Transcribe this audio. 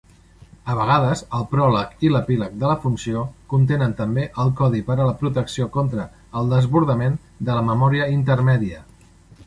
A vegades, el pròleg i l'epíleg de la funció contenen també el codi per a la protecció contra el desbordament de la memòria intermèdia.